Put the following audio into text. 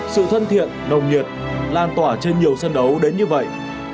sự thân thiện nồng nhiệt lan tỏa trên nhiều sân đấu đến như vậy